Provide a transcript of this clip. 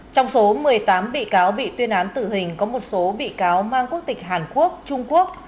trong số một mươi tám bị cáo bị tuyên án tử hình có một số bị cáo mang quốc tịch hàn quốc trung quốc